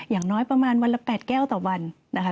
อย่างน้อยประมาณวันละ๘แก้วต่อวันนะคะ